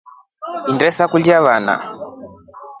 Enesakulya vana.